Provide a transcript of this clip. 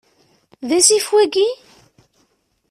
D asif wayyi?